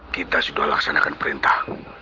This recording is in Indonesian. kita sudah laksanakan perintah